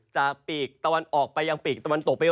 จากปีกตะวันออกไปยังปีกตะวันตกไป